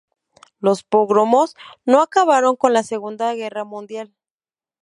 Los pogromos no acabaron con la Segunda Guerra Mundial.